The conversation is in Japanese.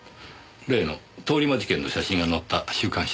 例の通り魔事件の写真が載った週刊誌です。